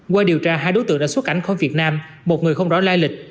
qua điều tra hai đối tượng đã xuất cảnh khỏi việt nam một người không rõ lai lịch